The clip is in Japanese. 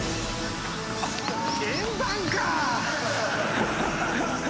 円盤か！